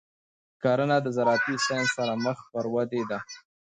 کرنه د زراعتي ساینس سره مخ پر ودې ده.